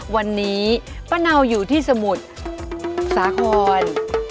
วันนี้ป้าเนาอยู่ที่สมุทรสาคร